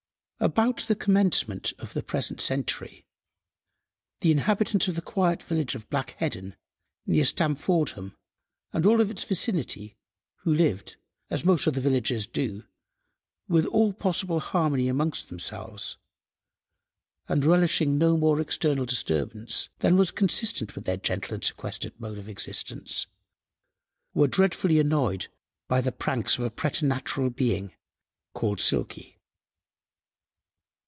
About the commencement of the present century the inhabitants of the quiet village of Black Heddon, near Stamfordham, and of its vicinity, who lived, as most other villagers do, with all possible harmony amongst themselves, and relishing no more external disturbance than was consistent with their gentle and sequestered mode of existence, were dreadfully annoyed by the pranks of a preternatural being called Silky.